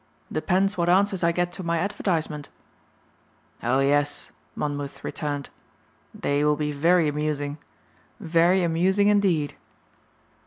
"Depends what answers I get to my advertisement." "Oh yes," Monmouth returned, "they will be very amusing. Very amusing indeed."